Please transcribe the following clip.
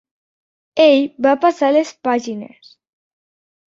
Ell va passar les pàgines.